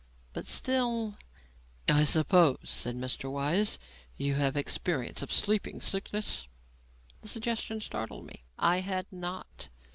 But still "I suppose," said Mr. Weiss, "you have experience of sleeping sickness?" The suggestion startled me. I had not.